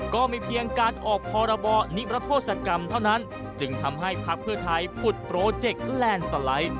ก็มีเพียงการออกพรบนิรโทษกรรมเท่านั้นจึงทำให้พักเพื่อไทยผุดโปรเจคแลนด์สไลด์